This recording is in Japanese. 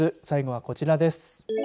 最後はこちらです。